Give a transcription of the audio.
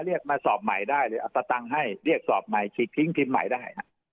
เรียกมาสอบใหม่ได้เลยเอาสตังค์ให้เรียกสอบใหม่ฉีกทิ้งทีมใหม่ได้